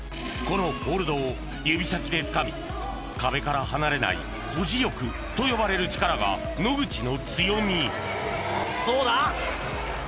このホールドを指先でつかみ壁から離れない保持力と呼ばれる力が野口の強み